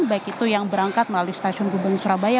baik itu yang berangkat melalui stasiun gubeng surabaya